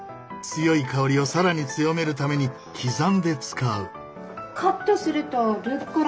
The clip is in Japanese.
強い香りを更に強めるために刻んで使う。